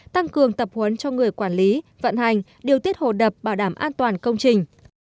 tăng cường tập huấn cho người quản lý vận hành điều tiết hồ đập bảo đảm an toàn công trình